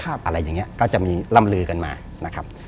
อะไรอย่างนี้ก็จะมีล่ำลือกันมานะครับ